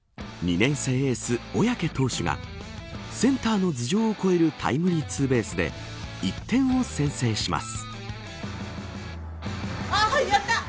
年生エース小宅投手がセンターの頭上を越えるタイムリーツーベースで１点を先制します。